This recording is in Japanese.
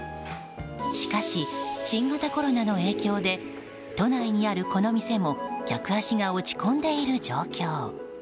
しかし、新型コロナの影響で都内にあるこの店も客足が落ち込んでいる状況。